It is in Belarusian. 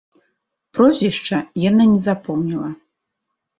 Прозвішча яна не запомніла.